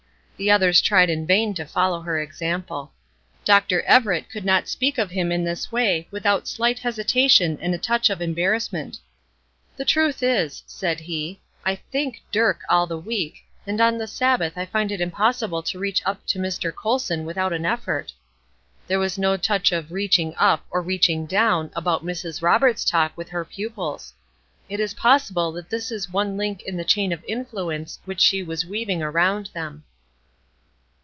The others tried in vain to follow her example. Dr. Everett could not speak of him in this way without slight hesitation and a touch of embarrassment. "The truth is," said he, "I think Dirk all the week, and on the Sabbath I find it impossible to reach up to 'Mr. Colson' without an effort." There was no touch of "reaching up" or reaching down, about Mrs. Roberts' talk with her pupils. It is possible that this is one link in the chain of influence which she was weaving around them.